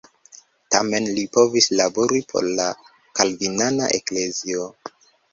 Tamen li povis labori por la kalvinana eklezio.